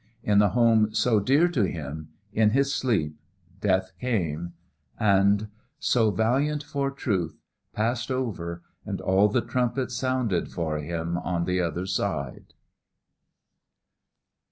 In the home so dear to him, in his sleep, death came, and So Valiant for Truth passed over and all the trumpets sounded for him on the other side.